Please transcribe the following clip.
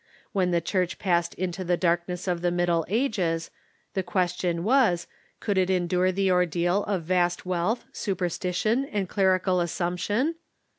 When the Church passed into the darkness of the Middle Ages the question Avas, could it endure the ordeal of vast wealth, superstition, and clerical assumption